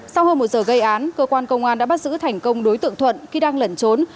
sau hơn một giờ gây án cơ quan công an đã bắt giữ thành công đối tượng thuận khi đang lẩn trốn